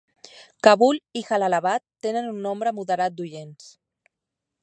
Kabul i Jalalabad tenen un nombre moderat d'oients.